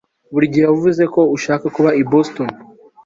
Buri gihe wavuze ko ushaka kuba i Boston